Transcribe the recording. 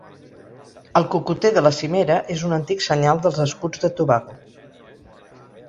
El cocoter de la cimera és un antic senyal dels escuts de Tobago.